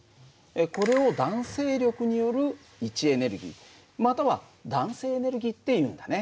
これを弾性力による位置エネルギーまたは弾性エネルギーっていうんだね。